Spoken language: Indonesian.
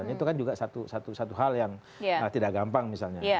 itu kan juga satu hal yang tidak gampang misalnya